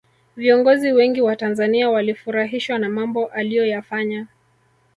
viongozi wengi wa tanzania walifurahishwa na mambo aliyoyafanya